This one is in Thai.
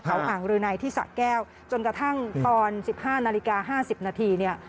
เขาอ่างรืนัยที่สะแก้วจนกระทั่งตอน๑๕นาฬิกา๕๐นาทีเนี่ย